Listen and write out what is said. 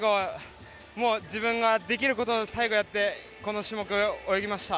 自分ができることを最後やってこの種目、泳ぎました。